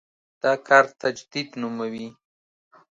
دا کار تجدید نوموي.